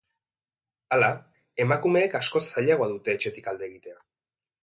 Hala, emakumeek askoz zailagoa dute etxetik alde egitea.